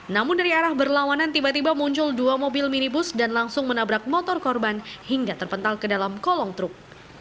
namun dari arah berlawanan tiba tiba muncul dua mobil minibus dan langsung menabrak motor korban hingga terpental ke dalam kolong truk